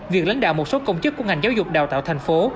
việc lãnh đạo một số công chức của ngành giáo dục đào tạo thành phố